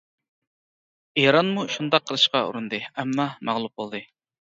ئىرانمۇ شۇنداق قىلىشقا ئۇرۇندى، ئەمما مەغلۇپ بولدى.